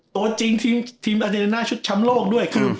ตัวจริงทีมอาเดน่าชุดช้ำโลกด้วยคือ